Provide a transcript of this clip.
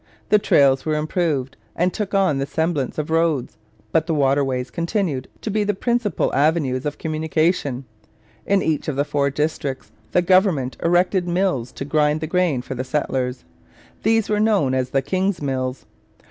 The trails were improved and took on the semblance of roads, but the waterways continued to be the principal avenues of communication. In each of the four districts the government erected mills to grind the grain for the settlers. These were known as the King's Mills.